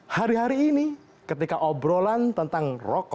hari hari ini ketika obrolan tentang rokok